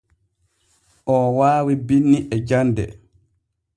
Oo waawi binni e jande.